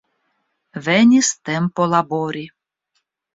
Venis tempo labori.